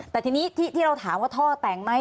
แต่ทีนี้ที่เราถามว่าท่อแต่งไหม